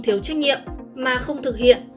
thiếu trách nhiệm mà không thực hiện